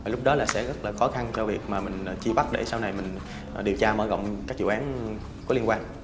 lúc đó là sẽ rất là khó khăn cho việc mà mình chi bắt để sau này mình điều tra mở rộng các dự án có liên quan